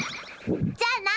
じゃあな。